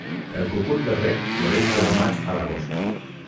El cucut de rec floreix del maig a l'agost.